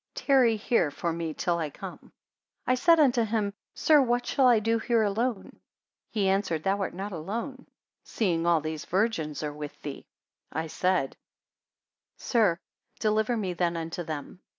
Tarry here for me till I come. 93 I said unto him, Sir, what shall I do here alone? He answered, Thou art not alone, seeing all these virgins are with thee. 94 I said, Sir, deliver me then unto them.